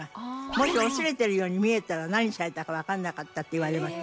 もし恐れてるように見えたら何されたかわからなかったって言われました。